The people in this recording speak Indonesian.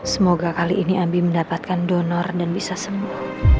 semoga kali ini ambi mendapatkan donor dan bisa sembuh